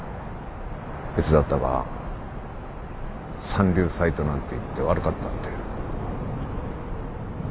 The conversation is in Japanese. いつだったか「三流サイトなんて言って悪かった」って。